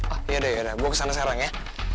ah ya udah ya udah gue kesana sekarang ya